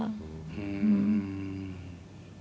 うん。